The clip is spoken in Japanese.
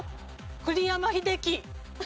栗山英樹。